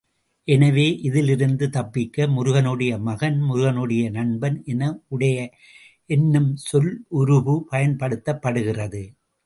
எனவே, இதிலிருந்து தப்பிக்க, முருகனுடைய மகன், முருகனுடைய நண்பன் என உடைய என்னும் சொல்லுருபு பயன்படுத்தப்படுகிறது.